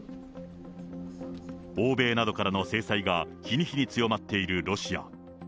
欧米などからの制裁が日に日に強まっているロシア。